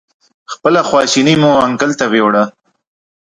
خپله خواشیني مو انکل ته ویوړه.